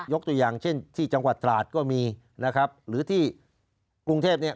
ตัวอย่างเช่นที่จังหวัดตราดก็มีนะครับหรือที่กรุงเทพเนี่ย